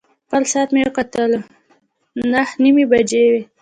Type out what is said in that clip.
خپل ساعت مې وکتل، نهه نیمې بجې وې.